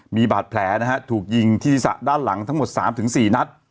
มีบาดแผลนะฮะถูกยิงที่สระด้านหลังทั้งหมด๓๔นัด